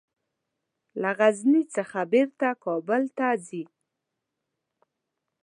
له غزني څخه بیرته کابل ته ځي.